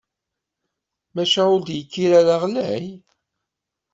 Maca ur d-yekkir ara ɣlay?